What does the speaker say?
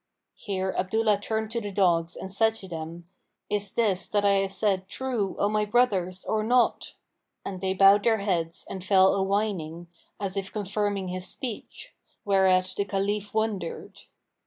(Here Abdullah turned to the dogs and said to them, "Is this that I have said true O my brothers or not?"; and they bowed their heads and fell a whining, as if confirming his speech; whereat the Caliph wondered).